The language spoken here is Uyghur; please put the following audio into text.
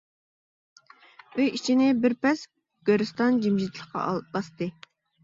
ئۆي ئىچىنى بىر پەس گۆرىستان جىمجىتلىقى باستى.